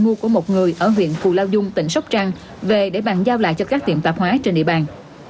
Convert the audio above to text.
mua của một người ở huyện cù lao dung tỉnh sóc trăng về để bàn giao lại cho các tiệm tạp hóa trên địa bàn